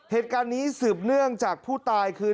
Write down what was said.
เหตุการณ์นี้สืบเนื่องจากผู้ตายคือ